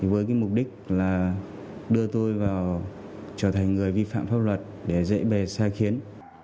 với mục đích là đưa tôi vào trở thành người vi phạm pháp luật để dễ bè xa khiến